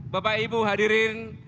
bapak ibu hadirin